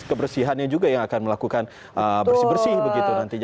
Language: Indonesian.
kebersihannya juga yang akan melakukan bersih bersih begitu nantinya